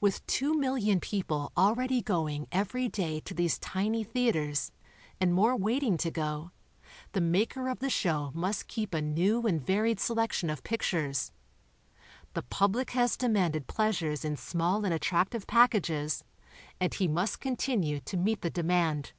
With two million people already going every day to these tiny theaters, and more waiting to go, the maker of the show must keep a new and varied selection of pictures. The public has demanded pleasures in small and attractive pack ages and he must continue to meet the demand.